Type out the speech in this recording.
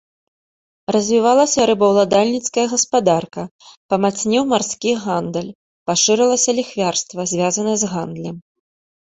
Развівалася рабаўладальніцкая гаспадарка, памацнеў марскі гандаль, пашырылася ліхвярства, звязанае з гандлем.